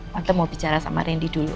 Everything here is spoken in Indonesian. tante mau bicara sama rendy dulu